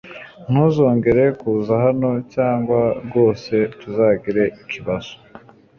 Ntuzongere kuza hano cyangwa rwose tuzagira ikibazo